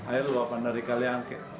air luapan dari kali angke